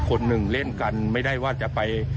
คนหนึ่งเล่นกันไม่ได้ว่าจะไป